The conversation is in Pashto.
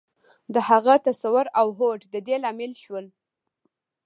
د هغه تصور او هوډ د دې لامل شول.